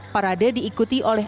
parade diikuti oleh